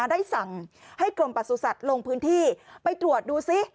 ได้สั่งให้กรมประสุทธิ์ลงพื้นที่ไปตรวจดูซิ